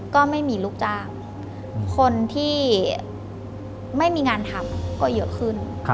ก็ไม่มีลูกจ้างคนที่ไม่มีงานทำก็เยอะขึ้น